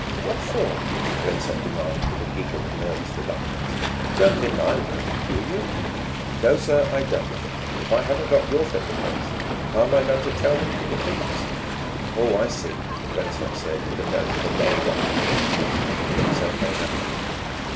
"What for?" Blensop demanded with a giggle of nervous reluctance. "You don't think I'm the thief, do you?" "No, sir, I don't. But if I haven't got your fingerprints, how am I going to tell them from the thief's?" "Oh, I see," Blensop said with a note of allayed apprehension, and put himself on record.